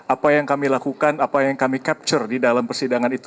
apa yang kami lakukan apa yang kami capture di dalam persidangan itu